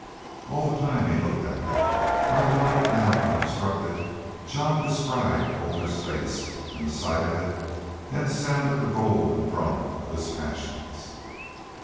All the time he looked at her. By the light now unobstructed Jean descried Colter's face; and sight of it then sounded the roll and drum of his passions.